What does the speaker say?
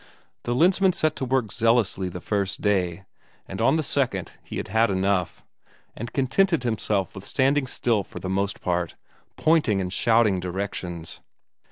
The Lensmand set to work zealously the first day, but on the second he had had enough, and contented himself with standing still for the most part, pointing and shouting directions.